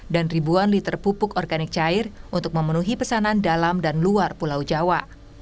dan ribuan liter pupuk organik cair untuk memenuhi pesanan dalam dan luar pulau jawa